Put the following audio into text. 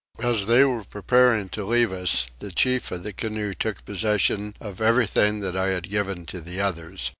As they were preparing to leave us the chief of the canoe took possession of everything that I had given to the others.